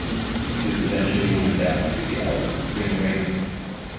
This eventually turned out to be the album "Ring Ring".